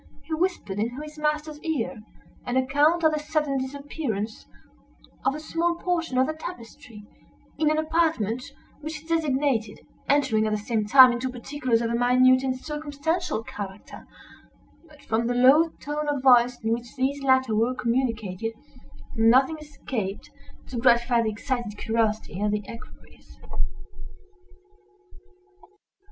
He whispered into his master's ear an account of the sudden disappearance of a small portion of the tapestry, in an apartment which he designated; entering, at the same time, into particulars of a minute and circumstantial character; but from the low tone of voice in which these latter were communicated, nothing escaped to gratify the excited curiosity of the equerries.